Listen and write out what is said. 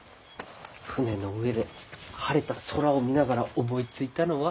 船の上で晴れた空を見ながら思いついたのは。